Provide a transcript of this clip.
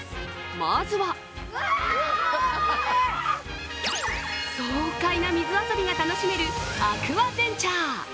まずは爽快な水遊びが楽しめるアクアベンチャー。